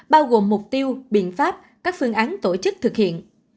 bao gồm mục tiêu biện pháp các phương án tổ chức thực hiện